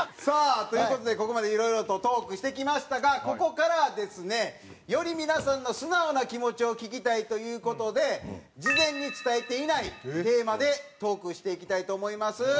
さあという事でここまでいろいろとトークしてきましたがここからはですねより皆さんの素直な気持ちを聞きたいという事で事前に伝えていないテーマでトークしていきたいと思います。